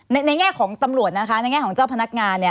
ในแง่ของตำรวจนะคะในแง่ของเจ้าพนักงานเนี่ย